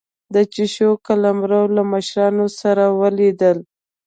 د چوشو قلمرو له مشرانو سره ولیدل.